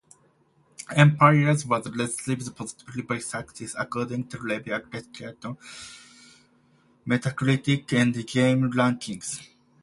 "Empires" was received positively by critics, according to review aggregators Metacritic and GameRankings.